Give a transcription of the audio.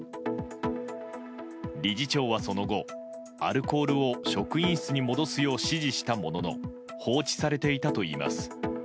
理事長はその後、アルコールを職員室に戻すよう指示したものの放置されていたといいます。